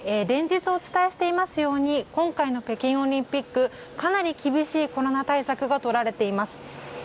連日お伝えしていますように今回の北京オリンピックかなり厳しいコロナ対策が取られています。